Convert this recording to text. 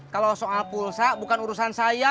kalau soal pulsa bukan urusan saya